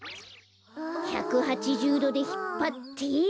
１８０どでひっぱって。